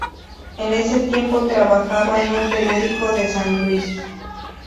En ese tiempo trabajaba en un periódico de San Luis.